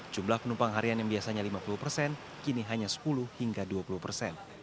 jumlah penumpang harian yang biasanya lima puluh persen kini hanya sepuluh hingga dua puluh persen